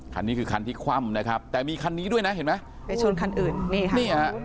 คันนี้คือคันที่คว่ำแต่มีคันนี้ด้วยนะเห็นไหม